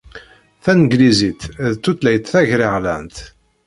Taneglizit d tutlayt tagraɣlant.